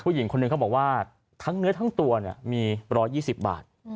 ผู้หญิงคนหนึ่งเขาบอกว่าทั้งเนื้อทั้งตัวเนี่ยมีร้อยยี่สิบบาท